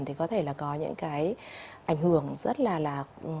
thì có thể là có những cái ảnh hưởng rất là